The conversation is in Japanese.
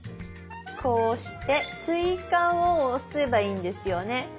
こうして「追加」を押せばいいんですよね？